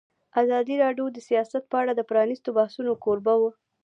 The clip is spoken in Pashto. ازادي راډیو د سیاست په اړه د پرانیستو بحثونو کوربه وه.